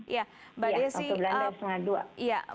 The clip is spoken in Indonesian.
ya waktu belanda selamat siang